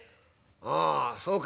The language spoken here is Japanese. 「ああそうか。